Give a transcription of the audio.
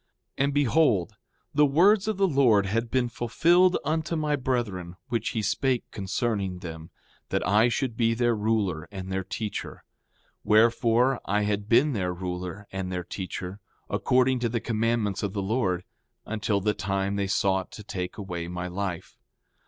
5:19 And behold, the words of the Lord had been fulfilled unto my brethren, which he spake concerning them, that I should be their ruler and their teacher. Wherefore, I had been their ruler and their teacher, according to the commandments of the Lord, until the time they sought to take away my life.